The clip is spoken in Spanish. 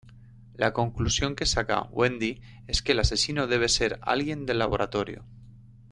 La conclusión que saca Wendy es que el asesino debe ser alguien del laboratorio.